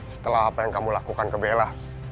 setelah apa yang kamu lakukan ke bella